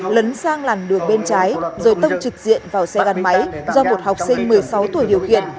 lấn sang làn đường bên trái rồi tông trực diện vào xe gắn máy do một học sinh một mươi sáu tuổi điều khiển